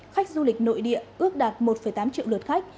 khách du lịch nội địa ước đạt một tám triệu lượt khách